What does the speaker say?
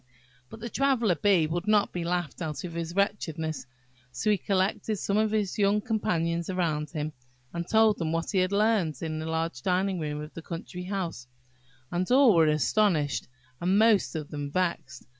But the Traveller bee would not be laughed out of his wretchedness; so he collected some of his young companions around him, and told them what he had heard in the large dining room of the country house; and all were astonished, and most of them vexed.